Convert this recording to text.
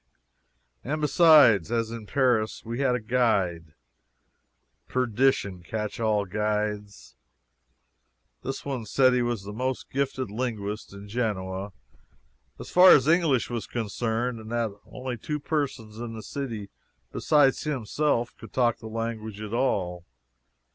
And besides, as in Paris, we had a guide. Perdition catch all the guides. This one said he was the most gifted linguist in Genoa, as far as English was concerned, and that only two persons in the city beside himself could talk the language at all.